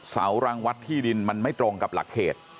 เสารังวัดที่ดินมันไม่ตรงกับหลักเขต